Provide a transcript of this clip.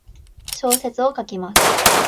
小説を書きます。